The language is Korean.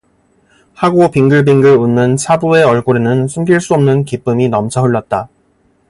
하고 빙글빙글 웃는 차부의 얼굴에는 숨길 수 없는 기쁨이 넘쳐흘렀다.